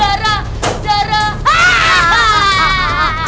aduh aduh aduh